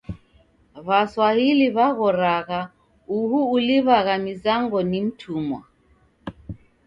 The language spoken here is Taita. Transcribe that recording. W'aswahili w'aghoragha uhu uliw'agha mizango ni mtumwa!